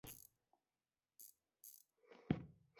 سوالګر ته د زړه صدقه ورکوئ